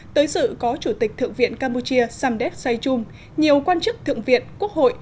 tới sự có chủ tịch thượng viện campuchia samdek saychum nhiều quan chức thượng viện quốc hội